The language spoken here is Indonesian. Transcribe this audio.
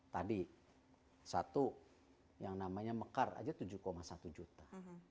tadi satu yang namanya mekar aja tujuh satu juta